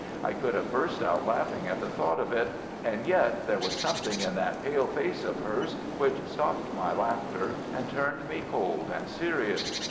I could have burst out laughing at the thought of it, and yet there was something in that pale face of hers which stopped my laughter and turned me cold and serious.